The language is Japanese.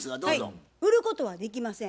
売ることはできません。